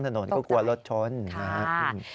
ตอนแรกก็ไม่แน่ใจนะคะ